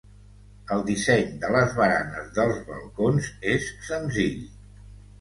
El disseny de les baranes dels balcons és senzill.